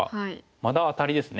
またアタリですね。